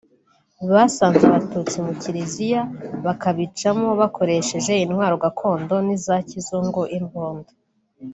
basanze abatutsi mu kiliziya bakabicamo bakoresheje intwaro gakondo n’iza kizungu(imbunda